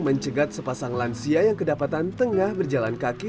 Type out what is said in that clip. mencegat sepasang lansia yang kedapatan tengah berjalan kaki